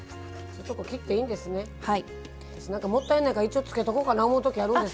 もったいないから一応つけとこうかな思う時あるんです。